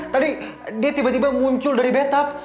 tadi dia tiba tiba muncul dari backup